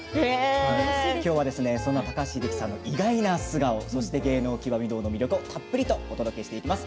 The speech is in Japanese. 今日はそんな高橋さんの意外な素顔、そして「芸能きわみ堂」の魅力をたっぷりお届けします。